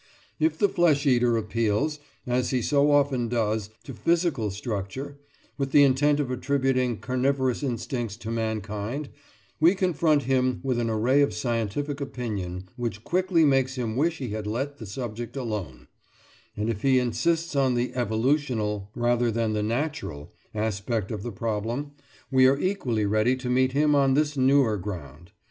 If the flesh eater appeals, as he so often does, to physical structure, with the intent of attributing carnivorous instincts to mankind, we confront him with an array of scientific opinion which quickly makes him wish he had let the subject alone; and if he insists on the "evolutional" rather than the "natural" aspect of the problem, we are equally ready to meet him on this newer ground.